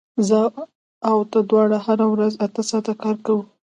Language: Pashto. زه او ته دواړه هره ورځ اته ساعته کار کوو